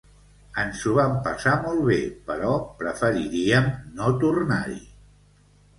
Ens ho vam passar molt bé però preferiríem no tornar-hi.